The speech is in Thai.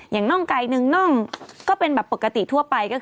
น่องไก่นึงน่องก็เป็นแบบปกติทั่วไป